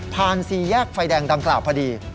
สี่แยกไฟแดงดังกล่าวพอดี